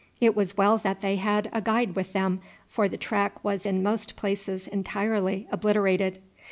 It was well that they had a guide with them, for the track was in most places entirely obliterated.